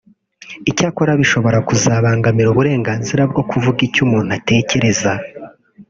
icyakora bishobora kuzabangamira uburenganzira bwo kuvuga icyo umuntu atekereza